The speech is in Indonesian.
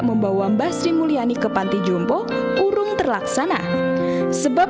sebab mbah sri mulyani tidak bisa berhubung dengan kondisi rumah